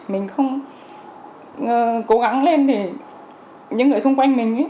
mình không cố gắng lên thì những người xung quanh mình